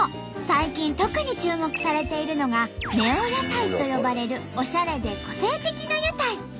最近特に注目されているのが「ネオ屋台」と呼ばれるおしゃれで個性的な屋台。